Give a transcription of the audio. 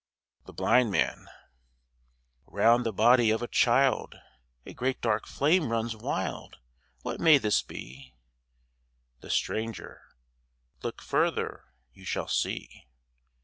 THE BLIND MAN Round the body of a child A great dark flame runs wild. What may this be? THE STRANGER Look further, you shall see.